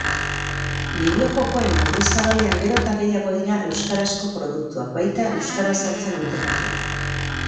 Bideojokoen «mundu zabalean», gero eta gehiago dira euskarazko produktuak, baita euskaraz sortzen dutenak ere